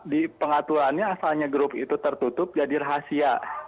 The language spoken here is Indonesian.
di pengaturannya asalnya grup itu tertutup jadi rahasia